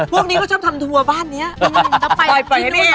พวกนี้ก็ชอบทำทัวร์บ้านเบิ่ร์มาไปในจุดนี้